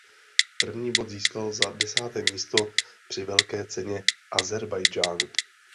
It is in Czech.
První bod získal za desáté místo při Velké ceně Ázerbájdžánu.